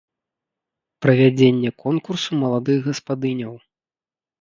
Правядзенне конкурсу маладых гаспадыняў.